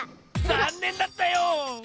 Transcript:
ざんねんだったよ！